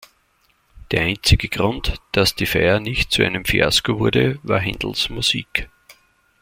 Der einzige Grund, dass die Feier nicht zu einem Fiasko wurde, war Händels Musik.